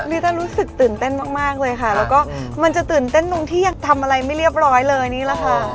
ิต้ารู้สึกตื่นเต้นมากเลยค่ะแล้วก็มันจะตื่นเต้นตรงที่ยังทำอะไรไม่เรียบร้อยเลยนี่แหละค่ะ